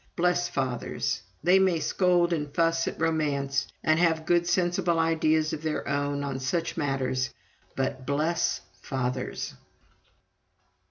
Bless fathers! They may scold and fuss at romance, and have "good sensible ideas of their own" on such matters, but bless fathers!